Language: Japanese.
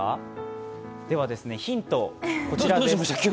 ヒント、こちらです。